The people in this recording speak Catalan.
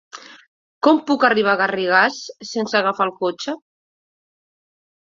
Com puc arribar a Garrigàs sense agafar el cotxe?